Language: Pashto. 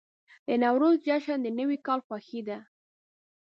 د نوروز جشن د نوي کال خوښي ده.